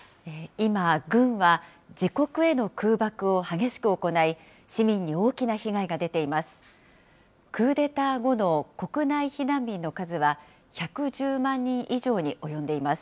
今、軍は自国への空爆を激しく行い、市民に大きな被害が出ています。